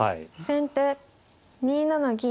先手２七銀。